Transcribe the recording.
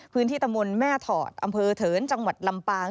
ตะมนต์แม่ถอดอำเภอเถินจังหวัดลำปาง